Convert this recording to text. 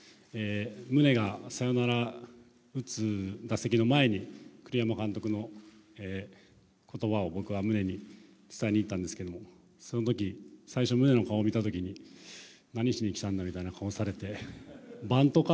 ムネがサヨナラを打つ打席の前に、栗山監督の言葉を僕はムネに伝えにいったんですけど、そのとき、最初ムネの顔を見たときに、何しに来たんだみたいな顔されてバントか？